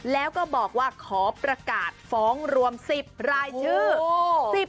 แล้วก็บอกว่าขอประกาศฟ้องรวม๑๐รายชื่อ